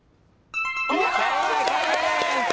正解です！